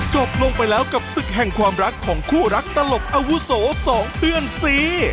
จบลงไปแล้วกับศึกแห่งความรักของคู่รักตลกอาวุโสสองเพื่อนซี